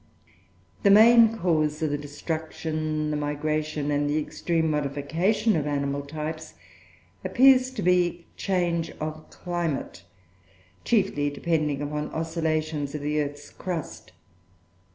The main cause of the destruction, the migration, and the extreme modification of animal types, appear to be change of climate, chiefly depending upon oscillations of the earth's crust.